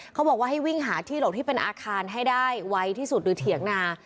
เขาบอกว่าให้วิ่งหาที่หลบที่เป็นอาคารให้ได้ไวที่สุดหรือเถียงนา